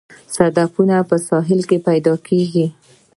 صدفونه په ساحل کې پیدا کیږي